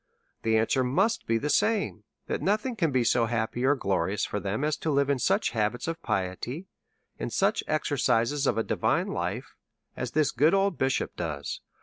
the answer must be the same — that nothing* can be so happy or glorious for them as to live in such habits of piety, in such exercises of a divine life, as this good old bishop does.